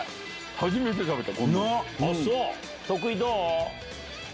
初めて食べた！